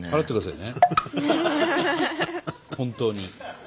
本当に。